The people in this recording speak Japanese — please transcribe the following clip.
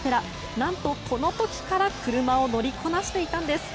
何と、この時から車を乗りこなしていたんです。